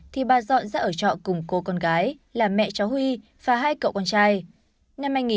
thì bà dọn ra ở trọ cùng cô con gái là mẹ cháu huy và hai cậu con trai